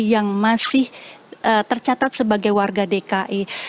yang masih tercatat sebagai warga dki